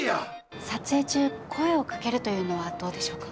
撮影中声をかけるというのはどうでしょうか？